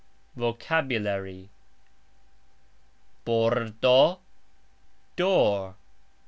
VOCABULARY. pordo : door.